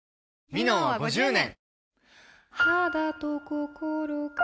「ミノン」は５０年！